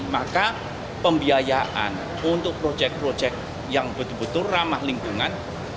maka pembiayaan untuk proyek proyek yang betul betul ramah lingkungan